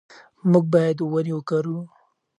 موږ باید ونې وکرو.